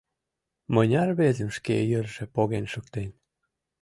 Мыняр рвезым шке йырже поген шуктен.